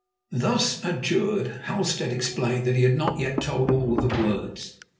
Thus adjured, Halstead explained that he had not yet told all the words.